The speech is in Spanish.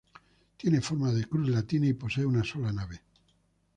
Tiene forma de cruz latina y posee una sola nave.